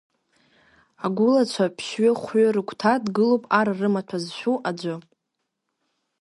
Агәылацәа ԥшьҩы-хәҩы рыгәҭа дгылоуп ар рымаҭәа зшәу аӡәы…